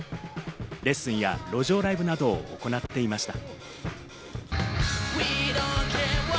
レッスンや路上ライブなどを行っていました。